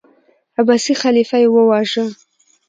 عباسي خلیفه یې وواژه.